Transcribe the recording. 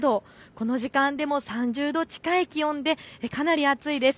この時間でも３０度近い気温でかなり暑いです。